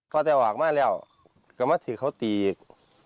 ก็จะวอกมาแล้วก็มาถึงเขาตีอีก